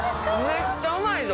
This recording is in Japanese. めっちゃうまいぞ。